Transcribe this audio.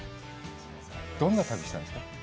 どんな旅したんですか？